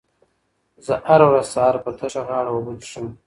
زه هره ورځ سهار په تشه غاړه اوبه څښم.